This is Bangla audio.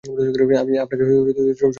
আমি আপনাকে সবখানে খুঁজে বেড়াচ্ছিলাম।